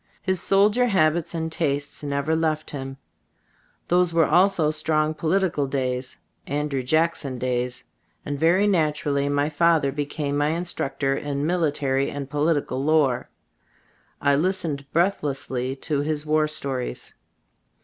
His soldier habits and tastes never left him. Those were also strong politi Zbc Store of As Gbf l&boo& 21 cal days — Andrew Jackson days— and very naturally my father became my instructor in military and political lore. I listened breathlessly to his war stories.